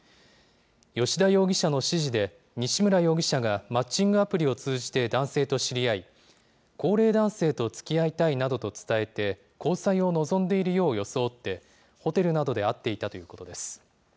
吉田容疑者の指示で、西村容疑者がマッチングアプリを通じて男性と知り合い、高齢男性とつきあいたいなどと伝えて、交際を望んでいるよう装って、ホテルなどで会っていたということです。